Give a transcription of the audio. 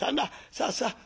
さあさあ